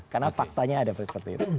karena faktanya ada seperti itu